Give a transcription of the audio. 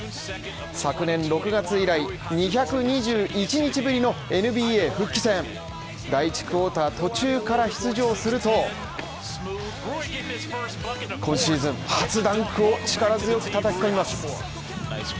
昨年６月以来２２１日ぶりのＮＢＡ復帰戦、第１クォーター途中から出場すると、シーズン初ダンクを力強く叩き込みます。